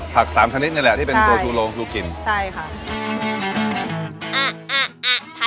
ผักสามชนิดนี่แหละที่เป็นกลัวทูลวงลูกกลิ่นใช่ค่ะ